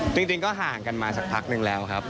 จริงก็ห่างกันมาสักพักนึงแล้วครับ